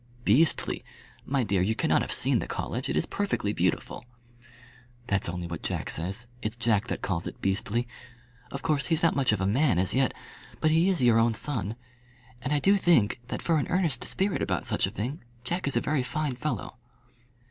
"Beastly! My dear, you cannot have seen the college. It is perfectly beautiful." "That's only what Jack says. It's Jack that calls it beastly. Of course he's not much of a man as yet, but he is your own son. And I do think, that for an earnest spirit about a thing, Jack is a very fine fellow."